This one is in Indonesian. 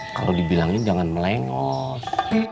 kalau dibilangin jangan melengos